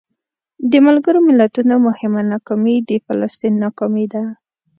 د ملګرو ملتونو مهمه ناکامي د فلسطین ناکامي ده.